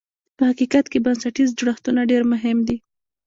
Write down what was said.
په حقیقت کې بنسټیز جوړښتونه ډېر مهم دي.